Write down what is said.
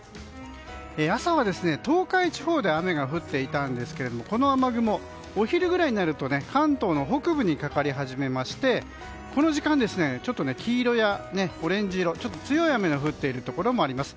朝は東海地方で雨が降っていたんですがこの雨雲、お昼ぐらいになると関東の北部にかかり初めまして、この時間ちょっと黄色やオレンジ色強い雨の降っているところもあります。